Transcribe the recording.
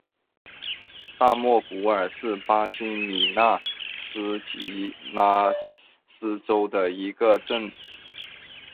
大莫古尔是巴西米纳斯吉拉斯州的一个市镇。